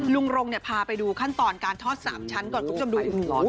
ลุงลงเนี่ยพาไปดูขั้นตอนการทอด๓ชั้นก่อนคุณผู้ชมดูหมู